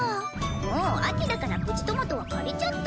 もう秋だからプチトマトは枯れちゃった。